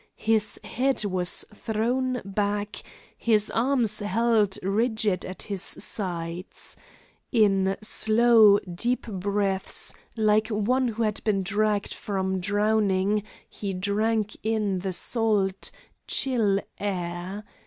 His head was thrown back, his arms held rigid at his sides. In slow, deep breaths, like one who had been dragged from drowning, he drank in the salt, chill air.